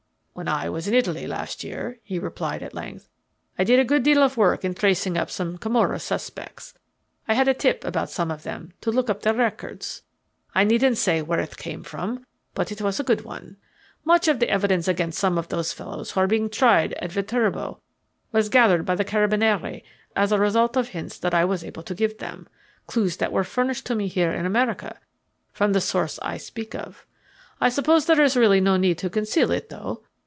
"When I was in Italy last year," he replied at length, "I did a good deal of work in tracing up some Camorra suspects. I had a tip about some of them to look up their records I needn't say where it came from, but it was a good one. Much of the evidence against some of those fellows who are being tried at Viterbo was gathered by the Carabinieri as a result of hints that I was able to give them clues that were furnished to me here in America from the source I speak of. I suppose there is really no need to conceal it, though.